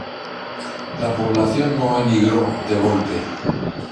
La población no emigró de golpe.